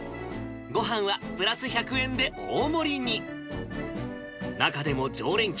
ごはんはプラス１００円で大盛りに。